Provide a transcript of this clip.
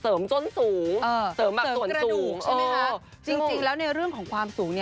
ส้นสูงเสริมแบบส้นสูงใช่ไหมคะจริงแล้วในเรื่องของความสูง